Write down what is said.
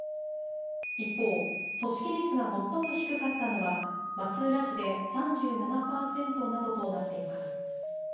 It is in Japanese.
一方、組織率が最も低かったのは松浦市で３７パーセントなどとなっています。